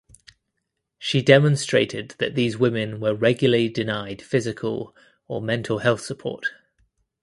She demonstrated that these women were regularly denied physical or mental health support.